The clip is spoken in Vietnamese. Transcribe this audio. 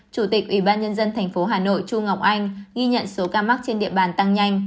chủ tịch ủy ban nhân dân tp hà nội chu ngọc anh ghi nhận số ca mắc trên địa bàn tăng nhanh